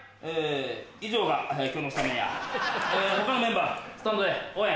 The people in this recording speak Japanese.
以上が今日のスタメンや他のメンバースタンドで応援！